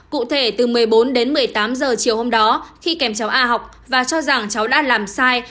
cụ thể từ một mươi bốn đến một mươi tám h chiều hôm đó khi kèm cháu a học và cho rằng cháu đã làm sai